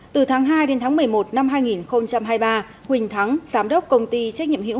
từ tháng hai đến tháng một mươi một năm hai nghìn hai mươi ba huỳnh thắng giám đốc công ty trách nhiệm hữu